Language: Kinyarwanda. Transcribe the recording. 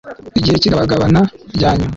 igihe cy igabagabana rya nyuma